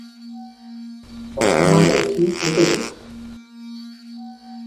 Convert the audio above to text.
বর্তমানে এটি উপজেলা।